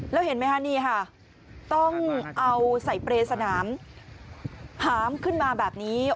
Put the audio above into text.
แล้วเห็นไหมคะนี่ค่ะต้องเอาใส่เปรย์สนามหามขึ้นมาแบบนี้